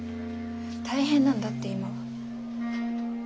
大変なんだって今は。